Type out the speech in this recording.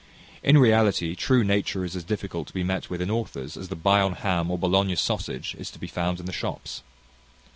In reality, true nature is as difficult to be met with in authors, as the Bayonne ham, or Bologna sausage, is to be found in the shops.